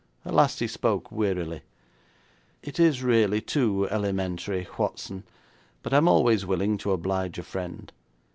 At last he spoke wearily: 'It is really too elementary, Whatson, but I am always willing to oblige a friend.